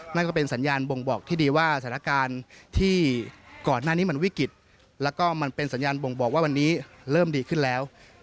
นั่นก็เป็นสัญญาณบ่งบอกที่ดีว่าสถานการณ์ที่ก่อนหน้านี้มันวิกฤตแล้วก็มันเป็นสัญญาณบ่งบอกว่าวันนี้เริ่มดีขึ้นแล้ว